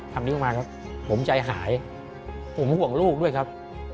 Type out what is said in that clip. คำนี้ออกมาครับผมใจหายผมห่วงลูกด้วยครับ